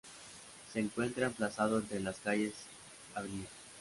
Se encuentra emplazado entre las calles Av.